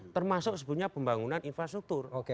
termasuk sebetulnya pembangunan infrastruktur